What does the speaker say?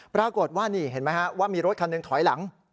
ปรากฏว่านี่เห็นไหมฮะว่ามีรถคันหนึ่งถอยหลัง